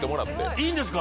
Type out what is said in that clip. いいんですか？